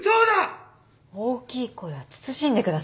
大きい声は慎んでください。